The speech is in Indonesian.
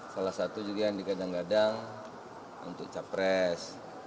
salah satu juga yang dikadang kadang untuk capres